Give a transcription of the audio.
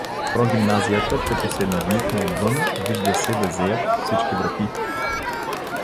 В прогимназията, като се надникне отвън, вижда се да зеят всички врати.